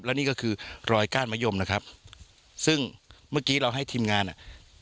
และนี่ก็คือรอยก้านมะยมนะครับซึ่งเมื่อกี้เราให้ทีมงานอ่ะ